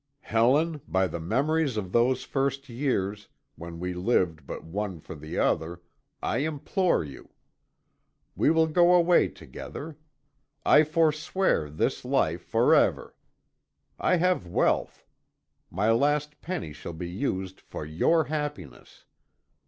Helen, by the memories of those first years, when we lived but one for the other, I implore you. We will go away together. I forswear this life forever. I have wealth. My last penny shall be used for your happiness.